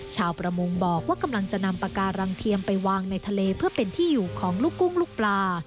ชาวประมงบอกว่ากำลังจะนำปากการังเทียมไปวางในทะเลเพื่อเป็นที่อยู่ของลูกกุ้งลูกปลา